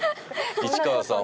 市川さん